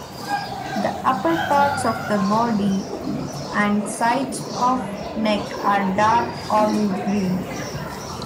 The upper parts of the body and sides of neck are dark olive green.